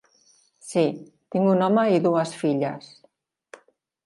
Sí, tinc un home i dues filles.